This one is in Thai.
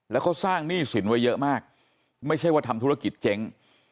แล้วเขาสร้างหนี้สินไว้เยอะมากไม่ใช่ว่าทำธุรกิจเจ๊ง